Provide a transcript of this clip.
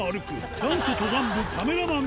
元祖登山部カメラマン